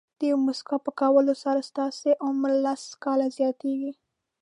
د یوې موسکا په کولو سره ستاسو عمر لس کاله زیاتېږي.